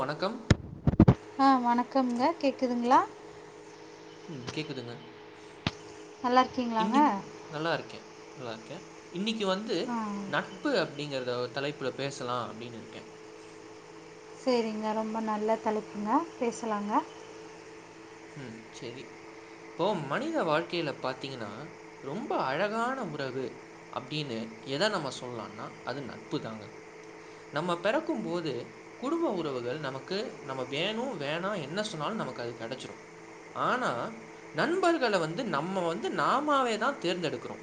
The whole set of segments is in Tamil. வணக்கம் வணக்கமுங்க கேக்குதுங்களா ம் கேக்குதுங்க நல்லா இருக்கீங்களாங்க இன்னி நல்லா இருக்க நல்லாருக்க இன்னிக்கு வந்து ஆ ஓகே நட்பு அப்படிங்கறத தலைப்புல பேசலா அப்படின்னு இருக்க சேரிங்க ரொம்ப நல்லா தலைப்புங்க பேசலாங்க ம் சேரி இப்போ மனித வாழ்க்கில பாத்தீங்கன்னா ரொம்ப அழகான உறவு அப்டின்னு எத நம்ம சொல்லான்னா அது நட்பு தாங்க நம்ம பெறக்கும் போது குடும்ப உறவுகள் நமக்கு நம்ம வேணு வேணா என்ன சொன்னாலு நமக்கு அது கெடச்சுடு ஆனா நண்பர்கள வந்து நம்ம வந்து நாமாவேதா தேர்ந்தெடுக்குறோ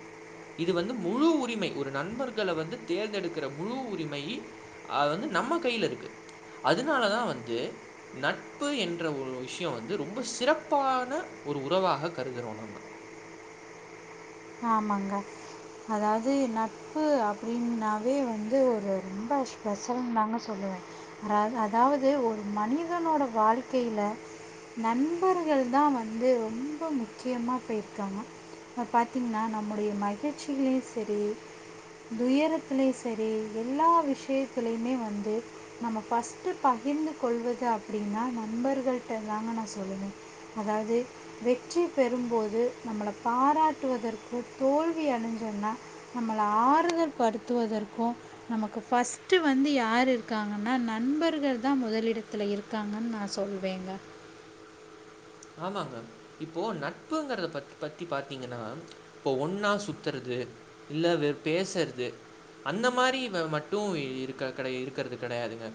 இது வந்து முழு உரிமை ஒரு நண்பர்கள வந்து தேர்ந்தெடுக்குற முழு உரிமை அது வந்து நம்ம கையில இருக்கு அதனாலதா வந்து நட்பு என்ற ஒரு விஷ்யோ வந்து ரொம்பஸ் சிறப்பான ஒரு உறவாக கருதுறோ நம்ம ஆமாங்க அதாவது நட்பு அப்டின்னாவே வந்து ஒரு ரொம்ப ஸ்பெஷல் தாங்க சொல்லுவ அதாவது ஒரு மனிதனோட வாழ்க்கில நண்பர்கள்தா வந்து ரொம்போ முக்கியமா போயிருக்காங்க [unintelligible] நா நம்முடைய மகிழ்ச்சியை செரி துயரத்திலையு செரி எல்லா விஷயத்திலயுமே வந்து நம்ம ஃபஸ்ட்டு பகிர்ந்து கொள்வது அப்படின்னா நண்பர்களிட்ட தாங்க நா சொல்லுவ அதாவது வெற்றி பெறும்போது நம்மள பாராட் ட்டுவதற்கு தோல்வி அணிஞ்சனா நம்மள ஆறுதல்ப்படுத்துவதற்கு நமக்கு ஃபஸ்ட்டு வந்து யார் இருக்காங்கன்னா நண்பர்கள்தா மொதலிடத்துல இருக்காங்கன்நா சொல்வேங்க ஆமாங்க இப்போ நட்புங்கறத பத்தி பாத்தீங்கன்னா இப்போ ஒன்னா சுத்துறது இல்ல வே பேசுறது அந்த மாரி மட்டு இருக்க கெடை இருக்குறது கெடையாதுங்க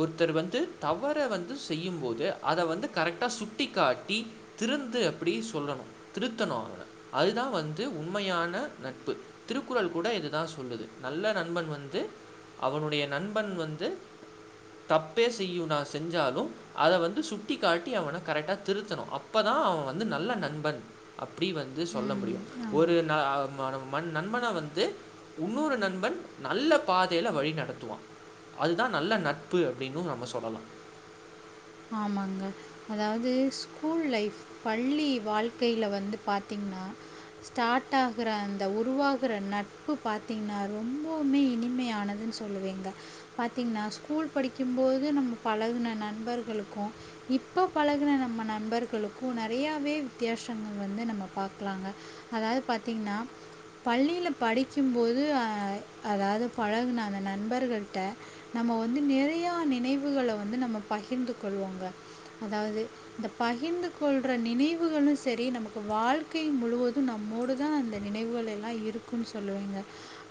ஒருத்தர் வந்து தவற வந்து செய்யும்போது அத வந்து கரெக்டா சுட்டிகாட் டி திருந்து அப்படி சொல்லணு திருத்தணு அவன அதுதா வந்து உண்மையான நட்பு திருக்குறள் கூட இதுதா சொல்லுது நல்ல நண்பன் வந்து அவனுடைய நண்பன் வந்து தப்பே செய்யுநா செஞ்சாலு அத வந்து சுட்டிக்காட்டி அவன கரெட்டா திருத்தணு அப்பதா அவ வந்து நல்ல நண்பன் அப்படி வந்து சொல்ல ம், முடியு. ஆம். ஒரு ந ம மன் நண்பன வந்து உன்னொரு நண்பன் நல்ல பாதையில வழி நடத்துவா அதுதா நல்ல நட்பு அப்டின்னு நம்ம சொல்லலா. ஆமாங்க அதாவது ஸ்கூல் லைஃப் பள்ளி வாழ்க்கைல வந்து பாத்தீங்ன்னா ஸ்டார்ட் ஆகற அந்த உருவாகற நட்பு பாத்தீங்ன்னா ரொம்பவுமே இனிமையானதுன்னு சொல்லுவேங்க பாத்தீங்ன்னா ஸ்கூல் படிக்கும்போது நம்ம பழகுன நண்பர் களுக்கு இப்ப பழகுன நம்ம நண்பர்களுக்கு நெறையாவே வித்தியாசங்கள் வந்து நம்ம பாக்கலாங்க அதாவது பாத்தீங்ன்னா பள்ளியில படிக்கும்போது அ அதாவது பழகுன அந்த நண்பர்கள்ட்ட நம்ம வந்து நிறையா நினைவுகள வந்து நம்ம பகிர்ந்து கொள்வோங்க அதாவது இந்த பகிர்ந்து கொள்ற நினைவுகளு சரி நமக்கு வாழ்க்கை முழுவது நம்மோடுதா அந்த நினைவுகள் எல்லா இருக்குன்னு சொல்லுவேங்க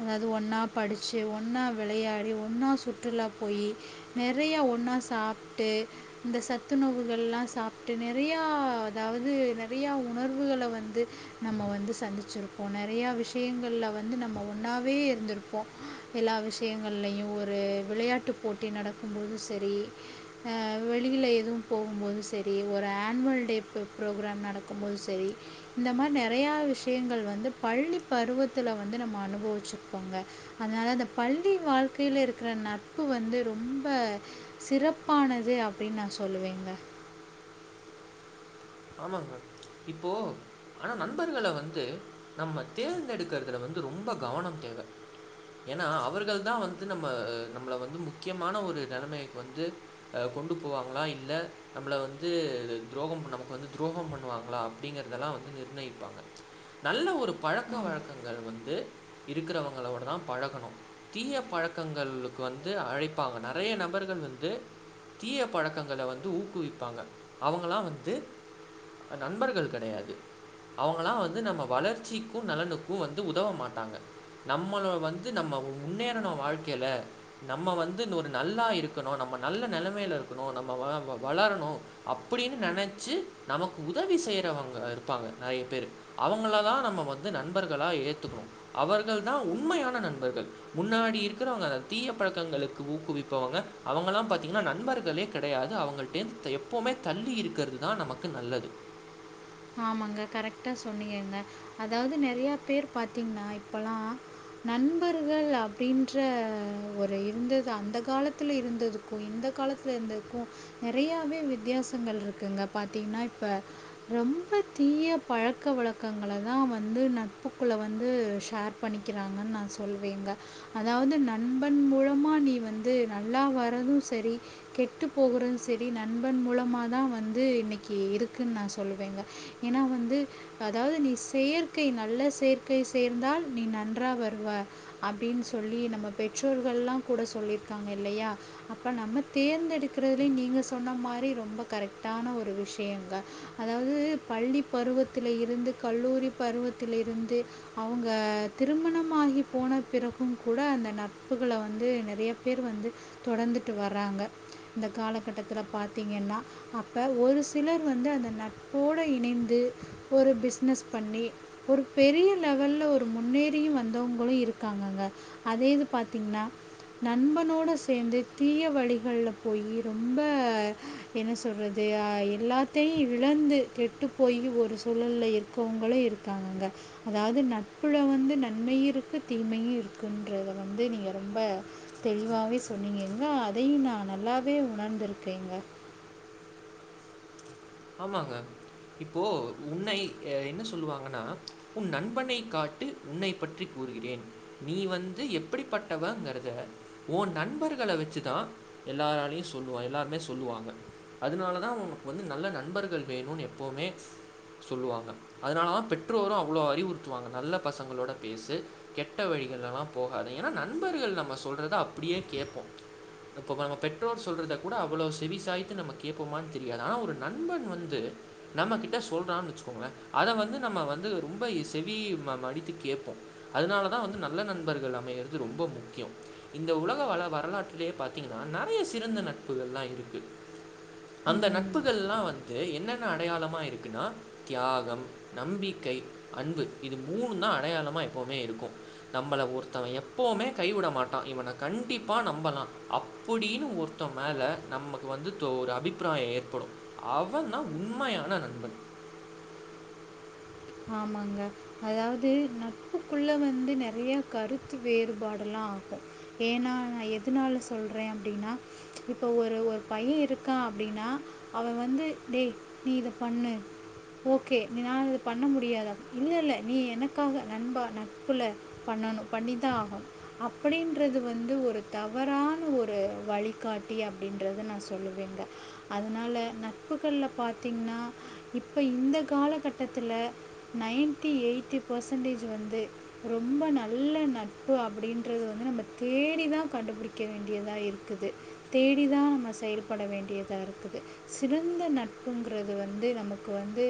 அதாவது ஒண்ணா படிச்சு ஒண்ணா விளையாடி ஒண்ணா சுற்றுலா போயி நெறையா ஒண்ணா சாப்ட்டு இந்த சத்துணவுகள்லா சாப்ட்டு நெறையா அதாவது நெறையா உணர்வுகள வந்து நம்ம வந்து சந்திச்சிருக்கோ நெறையா விஷயங்கள்ல வந்து நம்ம ஒன்னாவே இருந்திருப்போ எல்லா விஷயங்கள்லையு ஒரு விளையாட்டு போட்டி நடக்கும்போது செரி ஆ வெளியில எதுவு போகும்போது சரி ஒரு ஆன்வல் டே ப்ரோ ப்ரோக்ராம் நடக்கும் போது சரி இந்த மாரி நெறையா விஷயங்கள் வந்து பள்ளிப் பருவத்தில வந்து நம்ம அனுபவிச்சிருக்கோங்க அதனால அந்த பள்ளி வாழ்க்கையில இருக்குற அந்த நட்பு வந்து ரொம்ப சிறப் பானது அப்டின்னு நா சொல்லுவேங்க. ஆமாங்க இப்போ ஆனா நண்பர்கள வந்து நம்ம தேர்ந்தெடுக்குறதுல வந்து ரொம்ப கவனம் தேவ. ஏன்னா அவர்கள்தா வந்து நம்ம நம்மள வந்து முக்கியமான ஒரு நெலமைக்கு வந்து அ கொண்டு போவாங்களா இல்ல நம்மள வந்து துரோகம் பண்ண வந்து துரோகோ பண்ணுவாங்களா அப்டிங்கறதெல்லா வந்து நிர்ணயிப்பாங்க நல்ல ஒரு பழக்க ஆமாம் வழக்கங்கள் வந்து இருக்குறவங்களோடதா பழகணு தீய பழக்கங்களுக்கு வந்து அழைப்பாங்க நெறைய நபர்கள் வந்து தீய பழக்கங்கள வந்து ஊக்குவிப்பாங்க அவங்களா வந்து அ நண்பர்கள் கெடையாது அவங்கல்லா வந்து நம்ம வளர்ச்சிக்கு நலனுக்கு வந்து உதவ மாட்டாங்க நம்மள வந்து நம்ம முன்னேறணு வாழ்க்கையில நம்ம வந்து இன்னு ஒரு நல்லா இருக்கணு நம்ம நல்ல நெலமையில இருக்கணு நம்ம வ வளரணு அப்பிடின்னு நெனைச்சு நமக்கு உதவி செய்யறவங்க இருப்பாங்க நெறைய பேரு அவங்களதா நம்ம வந்து நண்பர்களா ஏத்துக்கணு அவர்கள்தா உண்மையான நண்பர்கள் முன்னாடி இருக்கிறவங்க அ தீய பழக்கங்களுக்கு ஊக்குவிப்பவங்க அவங்கல்லா பாத்தீங்கன்னா நண்பர்களே கெடையாது அவங்கள்ட்டேருந்து த எப்பவுமே தள்ளி இருக்கிறதுதா நமக் கு நல்லது ஆமாங்க கரெக்டா சொன்னீங்கங்க. அதாவது நெறையா பேர் பாத்தீங்கன்னா இப்பல்லா நண்பர்கள் அப்டின்ற ஒரு இருந்தது அந்த காலத்துல இருந்ததுக்கு இந்த காலத்துல இருந்ததுக்கு நெறையாவே வித்தியாசங்கள் இருக்குங்க பாத்தீங்கன்னா இப்ப ரொம்ப தீய பழக்க வழக்கங்களதா வந்து நட்புக்குள்ள வந்து ஷேர் பண்ணிக்கிறாங்கன்னு நா சொல்வேங்க. அதாவது நண்பன் மூலமா நீ வந்து நல்லா வர்றது சரி கெட்டுப் போகிறது சரி நண்பன் மூலமாதா வந்து இன்னக்கி இருக்குன்னு நா சொ ல்வேங்க ஏன்னா வந்து அதாவது நீ சேர்க்கை நல்ல சேர்க்கை சேர்ந்தால் நீ நன்றா வருவ அப்டின்னு சொல்லி நம்ம பெற்றோர்கள்லா கூட சொல்லிருக்காங்க இல்லையா அப்ப நம்ம தேர்ந்தெடுக்கறதுலய நீங்க சொன்ன மாரி ரொம்ப கரெக்டான ஒரு விஷயங்க அதாவது பள்ளி பருவத்தில இருந்து கல்லூரி பருவத்தில இருந்து அவங்க திருமணமாகி போன பிறகும் கூட அந்த நட்புகள வந்து நெறைய பேர் வந்து தொடர்ந்துட்டு வராங்க இந்த காலகட்டத்தில பாத்தீங்கன்னா அப்ப ஒரு சிலர் வந்து அந்த நட் போட இணைந்து ஒரு பிஸ்னஸ் பண்ணி ஒரு பெரிய லெவல்ல ஒரு முன்னேறியு வந்தவங்களு இருக்காங்கங்க அதே இது பாத்தீங்கன்னா நண்பனோட சேந்து தீய வழிகள்ல போயி ரொம்ப என்ன சொல்றது அ எல்லாத்தையு விட் இழந்து கெட்டு போயி ஒரு சூழல்ல இருக்கவங்களு இருக்காங்கங்க அதாவது நட்புல வந்து நன்மையு இருக்கு தீமையு இருக்குன்றத வந்து நீங்க ரொம்ப தெளிவாவே சொன்னீங்கங்க அதையு நா நல்லாவே உணர்ந்திருக்கேங்க. ஆமாங்க இப்போ உன்னை அ என்ன சொல்லுவாங்கன்னா உன் நண்பனைக் காட்டு உன்னைப் பற்றி கூறுகிறேன் நீ வந்து எப்டிப்பட்டவங்கறத உ நண்பர்கள வெச்சிதா எல்லாராலையு சொல்லுவோ எல்லாருமே சொல்லுவாங்க அதனாலதா உனக்கு வந்து நல்ல ந ண்பர்கள் வேணுன்னு எப்பவுமே சொல்வாங்க அதனாலதா பெற்றோரு அவ்ளோ அறிவுறுத்துவாங்க நல்ல பசங்களோட பேசு கெட்ட வழிகள்ல எல்லா போகாத ஏன்னா நண்பர்கள் நம்ம சொல்றத அப்பிடியே கேப்போ இப்போ பாருங்க பெற்றோர் சொல்றத கூட அவ்ளோ செவி சாய்த்து நம்ம கேப்பமான்னு தெரியாது ஆனா ஒரு நண்பன் வந்து நம்ம கிட்ட சொல்றான்னு வச்சுக்கோங்களே அத வந்து நம்ம வந்து ரொம்ப செவி ம மடித்து கேப்போ அதனாலதா வந்து நல்ல நண்பர்கள் அமையறது ரொம்ப முக்கியோ இந்த உலக வள வரலாற்றிலயே பாத்தீங்கன்னா நெறைய சிறந்த நட்புகள்லா இருக்கு அந்த நட்பு கள்லா வந்து என்னென்ன அடையாளமா இருக்குன்னா தியாகம் நம்பிக்கை அன்பு இது மூணுந்தா அடையாளமா எப்பவுமே இருக்கு. நம்மள ஒருத்தவ எப்பவுமே கைவிட மாட்டா இவன கண்டிப்பா நம்பலா அப்படின்னு ஒருத்த மேல நமக்கு வந்து தொ ஒரு அபிப்ராயோ ஏற்படு அவந்தா உண்மையான நண்பன் ஆமாங்க அதாவது நட்புக்குள்ள வந்து நெறைய கருத்து வேறுபாடல்லா ஆகு ஏன்னா நா எதுனால சொல்றே அப்டின்னா இப்ப ஒரு ஒரு பைய இருக்கா அப்டின்னா அவ வந்து டேய் நீ இத பண்ணு ஓகே நீ நா இத பண்ண முடியாதா இல்ல இல்ல நீ எனக்காக நண்பா நட்பில பண்ணணு பண்ணிதா ஆவோ அப்டின்றது வந்து ஒரு தவறான ஒரு வழிகாட்டி அப்டின்றத நா சொல்லுவேங்க அதனால நட்புகள்ல பாத்தீங்ன்னா இப்போ இந்த காலகட் டத்துல நைன்டி எயிட்டி பர்சன்டேஜ் வந்து ரொம்ப நல்ல நட்பு அப்படின்றது வந்து நம்ம தேடிதா கண்டுபிடிக்க வேண்டியதா இருக்குது தேடிதா நம்ம செயல்பட வேண்டியதா இருக்குது சிறந்த நட்புங்கிறது வந்து நமக்கு வந்து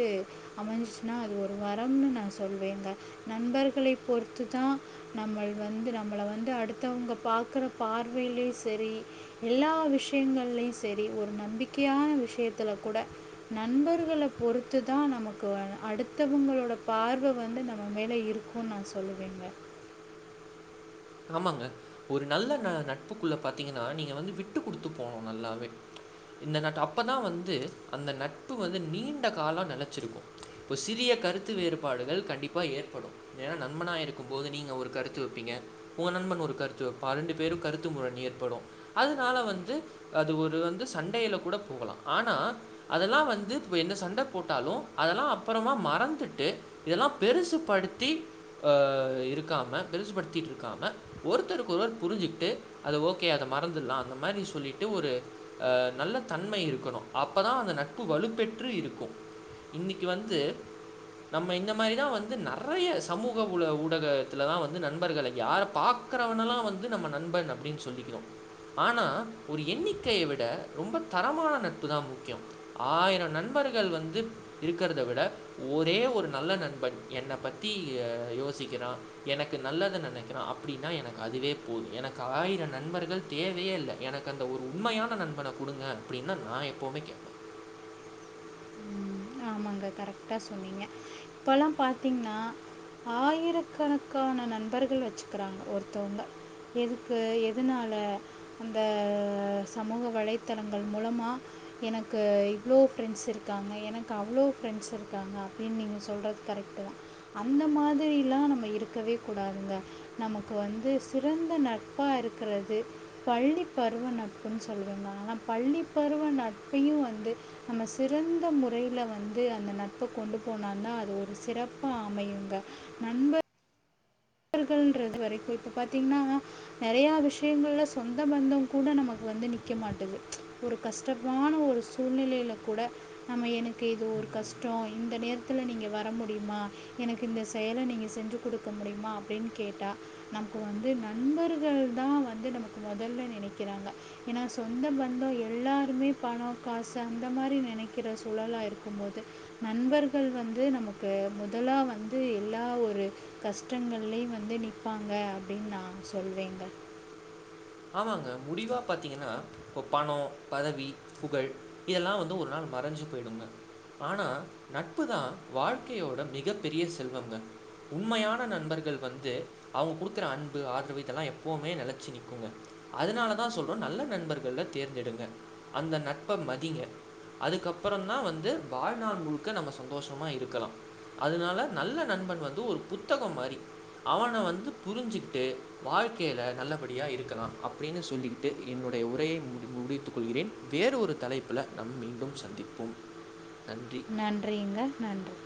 அமஞ்சிச்சுனா அது ஒரு வரம்னு நா சொல்வேங்க நண்பர்களை பொறுத்துதா நம்மள் வந்து நம்மள வந்து அடுத்தவங்க பாக்குற பார்வையிலயு சரி எல்லா விஷயங்கள்லயு சரி ஒரு நம்பிக்கையான விஷயத்தில கூட நண்பர்கள பொறுத்துதா நமக் கு அடுத்தவங்களோட பார்வ வந்து நம்ம மேல இருக்குன்னு நா சொல்லுவேங்க. ஆமாங்க ஒரு நல்ல ந நட்புக்குள்ள பாத்தீங்கன்னா நீங்க வந்து விட்டு குடுத்து போணு நல்லாவே இந்த நட் அப்பதா வந்து அந்த நட்பு வந்து நீண்ட காலோ நெலைச்சிருக்கு இப்ப சிறிய கருத்து வேறுபாடுகள் கண்டிப்பா ஏற்படு ஏன்னா நண்பனா இருக்கும் போது நீங்க ஒரு கருத்து வைப்பீங்க உங்க நண்பன் ஒரு கருத்து வப்பா ரெண்டு பேரு கருத்து முரண் ஏற்படு அதனால வந்து அது ஒரு வந்து சண்டையில கூட போகலா. ஆனா அதெல்லா வந்து இப்ப எந்த சண்ட போட்டாலு அதெல்லா அப்புறமா மறந்துட்டு இதெல்லா பெருசுபடுத்தி ஆ இருக்காம பெருசுபடுத்திட்ரு க்காம ஒருத்தொருக்கொருவர் புரிஞ்சிக்ட்டு அத ஓகே அத மறந்துர்லா அந்த மாரி சொல்லிட்டு ஒரு ஆ நல்ல தன்மை இருக்கணு அப்பதா அந்த நட்பு வலுப்பெற்று இருக்கு இன்னக்கி வந்து நம்ம இந்த மாரிதா வந்து நெறைய சமூக ஊடக ஊடகத்துலதா வந்து நண்பர்களை யார பாக்கறவனல்லா வந்து நம்ம நண்பன் அப்டின்னு சொல்லிக்கறோ. ஆனா ஒரு எண்ணிக்கைய விட ரொம்ப தரமான நட்புதா முக்கியோ. ஆயரோ நண்பர்கள் வந்து இருக்கிறத விட ஒரே ஒரு நல்ல நண்பன் என்ன பத்தி ஆ யோசிக்கிறா எனக்கு நல்லது நெனைக் கறா அப்டின்னா எனக்கு அதுவே போது. எனக்கு ஆயிர நண்பர்கள் தேவையே இல்ல. எனக்கு அந்த ஒரு உண்மையான நண்பன குடுங்க அப்டின்னு நா எப்புமே கேப்பே. ம், ஆமாங்க கரெக்டா சொன்னீங்க. இப்பல்லா பாத்திங்ன்னா ஆயிரக்கணக்கான நண்பர்கள் வச்சுக்கிறாங்க ஒருத்தவங்க. எதுக்கு எதனால அந்த சமூக வலைத்தளங்கள் மூலமா எனக்கு இவ்ளோ ஃப்ரெண்ட்ஸ் இருக்காங்க எனக் கு அவ்ளோ ஃப்ரெண்ட்ஸ் இருக்காங்க அப்டின்னு நீங்க சொல்றது கரெக்டுதா அந்த மாதிரி எல்லா நம்ம இருக்கவே கூடாதுங்க. நமக்கு வந்து சிறந்த நட்பா இருக்கிறது பள்ளி பருவ நட்புன்னு சொல்லுவேங்க ஆனா பள்ளிப் பருவ நட்பையு வந்து நம்ம சிறந்த மு றையில வந்து அந்த நட்ப கொண்டு போனோன்னா அது ஒரு சிறப்பா அமையுங்க நண்பர் கள்ன்றது வரைக்கு இப்ப பாத்தீங்ன்னா நெறையா விஷயங்கள்ல சொந்த பந்தங் கூட நமக்கு வந்து நிக்க மாட்டுது ஒரு கஷ்டமான ஒரு சூழ்நிலையில கூட நம்ம எனக் கு ஏதோ ஒரு ம் கஷ்டோ இந்த நேரத் துல நீங்க வர முடியுமா எனக்கு இந்த செயல நீங்க செஞ்சு குடுக்க முடியுமா அப்டின்னு கேட்டா நமக்கு வந்து நண்பர்கள்தா வந்து நமக்கு மொதல்ல நெனைக்கிறாங்க. ஏன்னா சொந்த பந்தோ எல்லாருமே பணோ காசு அந்த மாரி நெனைக்கிற சூழலா இருக்கும்போது நண்பர்கள் வந்து நமக்கு முதலா வந்து எல்லா ஒரு கஷ்டங்கள் லயு வந்து நிப்பாங்க அப்டின்னு நா சொல்வேங்க. ஆமாங்க முடிவாக பாத்தீங்கன்னா இப்போ பணோ பதவி புகழ் இதெல்லா வந்து ஒரு நாள் மறைஞ்சு போயிடுங்க ஆனா நட்புதா வாழ்க்கையோட மிகப் பெரிய செல்வங்க. உண்மையான நண்பர்கள் வந்து அவங்க குடுக்குற அன்பு ஆதரவு இதெல்லா எப்பவுமே நெலச்சு நிக்குங்க. அதனாலதா சொல்றோ நல்ல நண்பர்கள தேர்ந்தெடுங்க. அந்த நட்ப மதிங்க. அதுக்கப்புறம்தா வந்து வாழ்நாள் முழுக்க நம்ம சந்தோஷமா இருக்கலா. அதனால நல்ல நண்பன் வந்து ஒரு புத்தகம் மாரி. அவன வந்து புரிஞ்சுக்கிட்டு வாழ்க்கையில நல்லபடியா இருக்கலா அப்டின்னு சொல்லிக்கிட்டு என்னுடைய உரையை முடி முடித்துக்கொள்கிறேன் வேற ஒரு தலைப்பில நம்ம மீண்டும் சந்திப்போம். நன்றி நன்றிங்க நன்றி.